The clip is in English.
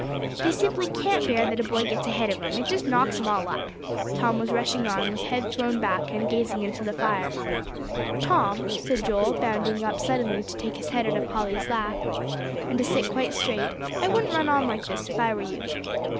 "They simply can't bear that a boy gets ahead of 'em; it just knocks 'em all up." Tom was rushing on, with head thrown back and gazing into the fire. "Tom," said Joel, bounding up suddenly to take his head out of Polly's lap, and to sit quite straight, "I wouldn't run on like this if I were you."